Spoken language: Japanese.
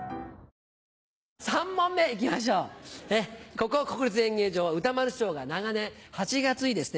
ここ国立演芸場は歌丸師匠が長年８月にですね